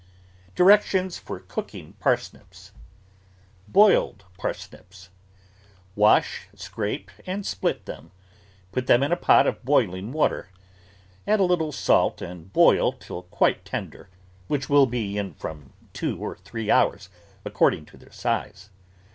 DIRECTIONS FOR COOKING PARSNIPS BOILED PARSNIPS Wash, scrape, and split them. Put them in a pot of boiling water ; add a little salt and boil till quite tender, which will be in from two or three hours, according to their size.